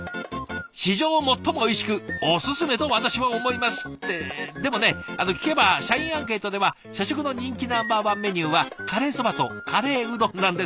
「史上最も美味しくおススメと私は思います」ってでもね聞けば社員アンケートでは社食の人気ナンバーワンメニューはカレーそばとカレーうどんなんですって。